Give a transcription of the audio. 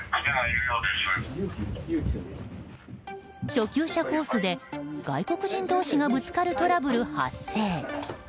初級者コースで外国人同士がぶつかるトラブル発生。